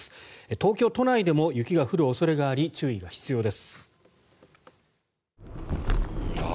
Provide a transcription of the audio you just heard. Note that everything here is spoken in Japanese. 東京都内でも雪が降る恐れがあり注意が必要です。